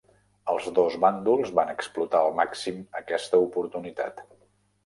Els dos bàndols van explotar al màxim aquesta oportunitat.